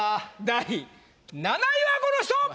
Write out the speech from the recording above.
第７位はこの人！